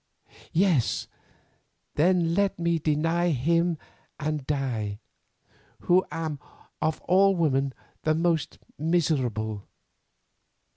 Yes, then let me deny Him and die, who am of all women the most miserable.